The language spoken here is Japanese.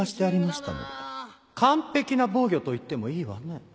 完璧な防御と言ってもいいわね。